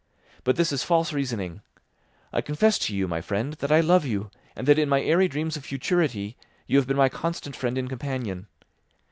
But this is false reasoning. I confess to you, my friend, that I love you and that in my airy dreams of futurity you have been my constant friend and companion.